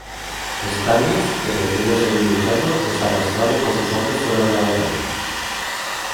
Stannis, que pretende seguir luchando, es arrastrado por sus hombres fuera de la batalla.